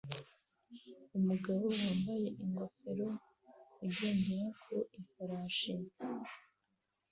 Umugabo wambaye ingofero ugendera ku ifarashi